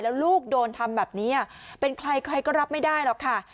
แล้วลูกโดนทำแบบนี้เป็นใครใครก็รับไม่ได้หรอกค่ะ